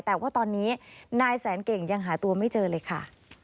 แต่ว่าตอนนี้นายแสนเก่งยังหาตัวไม่เจอเลยค่ะ